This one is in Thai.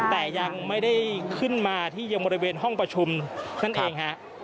แต่ยังไม่ได้ขึ้นมาที่ยังบริเวณห้องประชุมนั่นเองฮะ